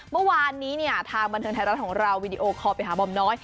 เมื่อวานนี้เนี่ยทางบันเทิงไทยรัฐของเราวีดีโอคอลไปหาบอมน้อย